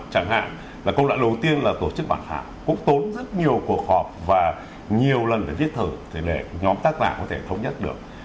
chẳng hạn là công đoạn đầu tiên là tổ chức bản thảo cũng tốn rất nhiều cuộc họp và nhiều lần phải viết thử để nhóm tác giả có thể thống nhất được